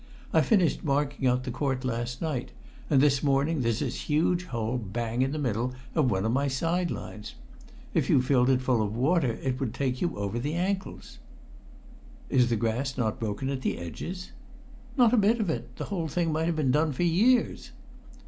I finished marking out the court last night, and this morning there's this huge hole bang in the middle of one of my side lines! If you filled it full of water it would take you over the ankles." "Is the grass not broken at the edges?" "Not a bit of it; the whole thing might have been done for years."